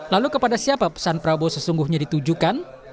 lalu kepada siapa pesan prabowo sesungguhnya ditujukan